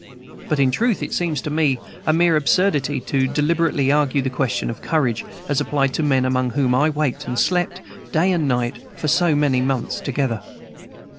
But in truth it seems to me a mere absurdity to deliberately argue the question of courage, as applied to men among whom I waked and slept, day and night, for so many months together.